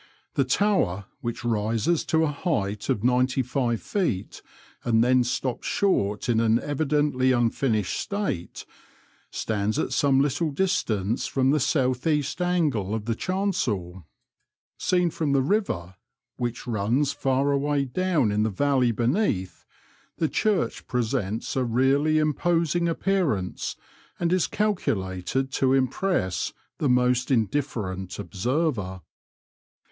The tower, which rises to a height of 95 feet, and then stops short in an evidently unfinished state, stands at some little distance from the south east angle of the chancel. 8een from the river, which runs far away down in the valley beneath, the church presents a really imposing appearance, and is calculated to impress the most indifferent observer.